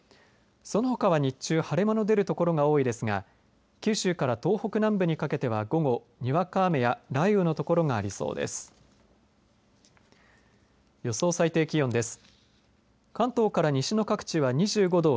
そのほかは日中、晴れ間の出る所が多いですが九州から東北南部にかけては午後、にわか雨や雷雨の所がありそうです。